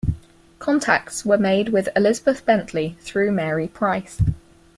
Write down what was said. Contacts were made with Elizabeth Bentley through Mary Price.